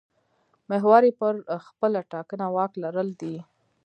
محور یې پر خپله ټاکنه واک لرل دي.